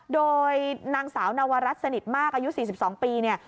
โดยนางสาวนาวารัสสนิทมากอายุสิบสองปีเนี้ย